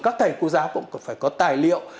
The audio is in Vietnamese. các thầy cô giáo cũng phải có tài liệu